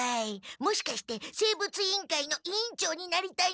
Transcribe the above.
もしかして生物委員会の委員長になりたいのでは？